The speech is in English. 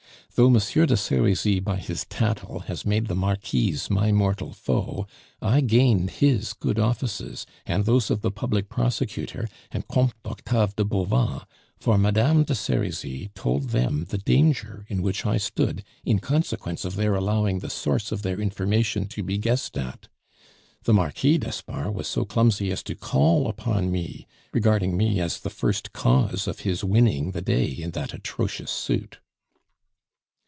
"Though M. de Serizy by his tattle has made the Marquise my mortal foe, I gained his good offices, and those of the Public Prosecutor, and Comte Octave de Bauvan; for Madame de Serizy told them the danger in which I stood in consequence of their allowing the source of their information to be guessed at. The Marquis d'Espard was so clumsy as to call upon me, regarding me as the first cause of his winning the day in that atrocious suit."